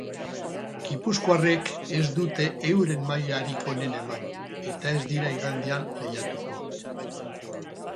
Gipuzkoarrek ez dute euren mailarik onena eman, eta ez dira igandean lehiatuko.